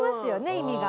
意味が。